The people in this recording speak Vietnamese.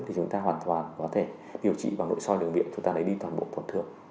thì chúng ta hoàn toàn có thể điều trị vào nội soi đường điện chúng ta lấy đi toàn bộ tổn thương